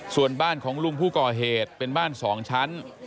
ส่วนบ้านของลุงผู้ก่อเหตุเป็นบ้าน๒ชั้น